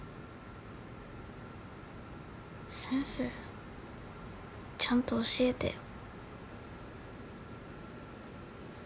先生ちゃんと教えてよ。